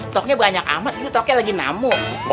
toke nya banyak amat itu toke lagi namo